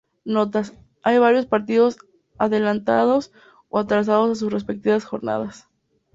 Notas.- Hay varios partidos adelantados o atrasados a sus respectivas jornadas.